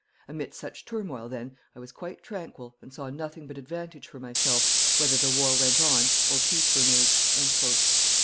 Amidst such turmoil, then, I was quite tranquil, and saw nothing but advantage for myself, whether the war went on or peace were made."